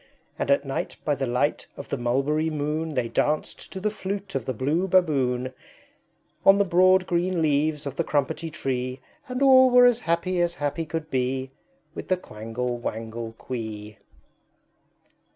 And at night by the light of the Mulberry moon They danced to the Flute of the Blue Baboon, On the broad green leaves of the Crumpetty Tree, And all were as happy as happy could be, With the Quangle Wangle Quee.